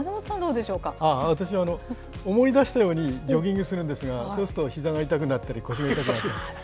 私は思い出したようにジョギングするんですが、そうするとひざが痛くなったり、腰が痛くなったり。